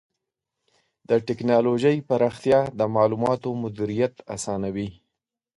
د ټکنالوجۍ پراختیا د معلوماتو مدیریت آسانوي.